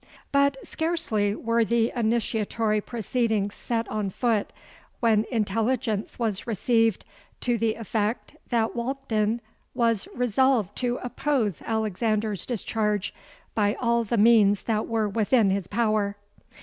But scarcely were the initiatory proceedings set on foot, when intelligence was received to the effect that Walkden was resolved to oppose Alexander's discharge by all the means that were within his power.